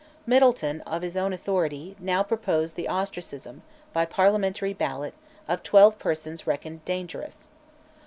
Middleton, of his own authority, now proposed the ostracism, by parliamentary ballot, of twelve persons reckoned dangerous.